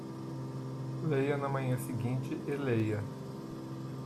Leia na manhã seguinte e leia